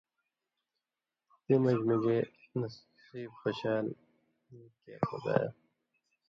تی مژ مِگے نصیب خوشالی کېر خدایا